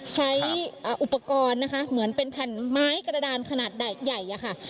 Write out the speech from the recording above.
ใช้อุปกรณ์นะคะเหมือนเป็นแผ่นไม้กระดานขนาดใหญ่อะค่ะ